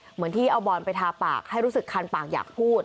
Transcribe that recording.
เหมือนที่เอาบอลไปทาปากให้รู้สึกคันปากอยากพูด